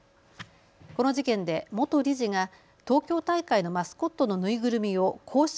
この事件で元理事が東京大会のマスコットの縫いぐるみを公式